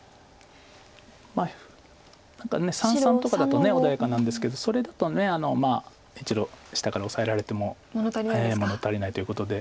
まあ何か三々とかだと穏やかなんですけどそれだと１路下からオサえられても物足りないということで。